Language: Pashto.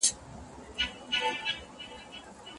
که اوږدمهالی فکر ونه کړې نو په راتلونکي کي به پښېمانه سې.